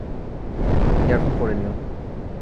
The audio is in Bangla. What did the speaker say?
ইয়ারফোন পড়ে নিও।